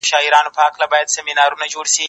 زه کولای سم پاکوالی وکړم!.